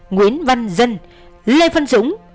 nguyễn văn dân lê phân dũng